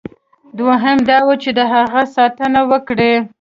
دوهم دا وه چې د هغه ساتنه وکړي.